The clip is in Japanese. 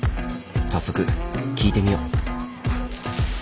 早速聞いてみよう。